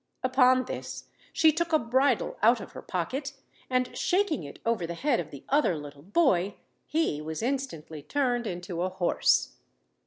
Upon this she took a bridle out of her pocket, and shaking it over the head of the other little boy, he was instantly turned into a horse.